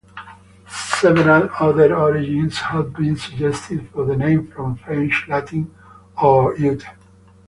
Several other origins have been suggested for the name, from French, Latin, or Ute.